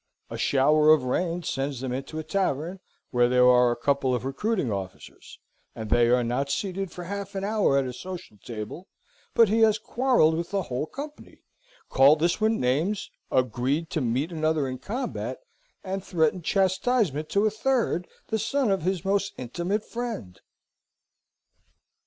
A shower of rain sends them into a tavern, where there are a couple of recruiting officers, and they are not seated for half an hour at a social table, but he has quarrelled with the whole company, called this one names, agreed to meet another in combat, and threatened chastisement to a third, the son of his most intimate friend!